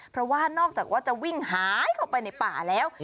เพราะว่านอกจากว่าจะวิ่งหายเข้าไปในป่าแล้ว